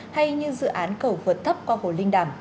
hay như dự án cầu vượt thấp qua hồ linh đàm